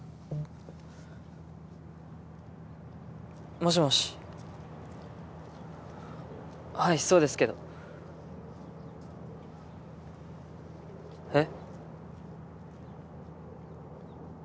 ・もしもしはいそうですけどえっ？